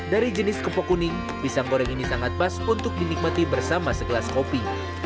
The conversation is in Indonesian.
dari jenis kepok kuning pisang goreng ini sangat pas untuk dinikmati bersama segelas kopi